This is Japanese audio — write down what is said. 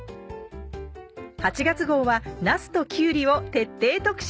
８月号はなすときゅうりを徹底特集！